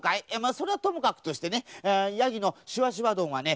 それはともかくとしてねヤギのしわしわどんはね